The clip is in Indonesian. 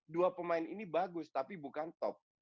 dua pemain ini bagus tapi bukan top